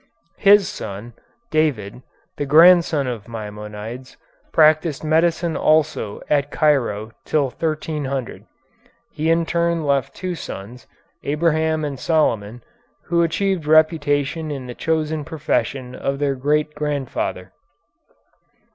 His son, David, the grandson of Maimonides, practised medicine also at Cairo till 1300. He in turn left two sons, Abraham and Solomon, who achieved reputation in the chosen profession of their great grandfather.